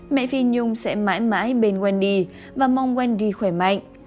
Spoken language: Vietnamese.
mẹ phi nhung sẽ mãi mãi bên wendy và mong wendy khỏe mạnh